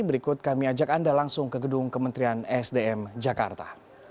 berikut kami ajak anda langsung ke gedung kementerian sdm jakarta